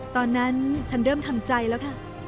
ตอนนั้นฉันเริ่มทำใจแล้วค่ะ